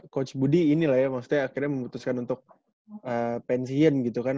coach budi inilah ya maksudnya akhirnya memutuskan untuk pensiun gitu kan